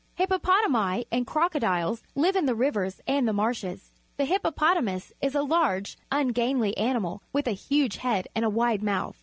Hippo potami and crocodiles live in the rivers and the marshes. The hippopotamus is a large, un gainly ani mal with a huge head and a wide mouth.